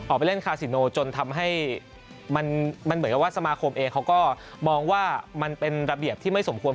ออกไปเล่นคาซิโนจนทำให้มันเหมือนกับว่าสมาคมเองเขาก็มองว่ามันเป็นระเบียบที่ไม่สมควร